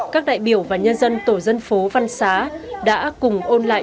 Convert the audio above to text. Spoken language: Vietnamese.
các đại biểu và nhân dân tổ dân phố văn xá đã cùng ôn lại